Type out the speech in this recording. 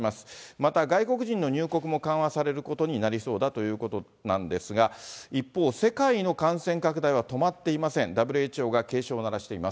また、外国人の入国も緩和されることになりそうだということなんですが、一方、世界の感染拡大は止まっていません。